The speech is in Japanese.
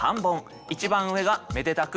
一番上がめでたく